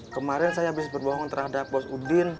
kemarin saya habis berbohong terhadap bos udin